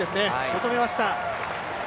求めました。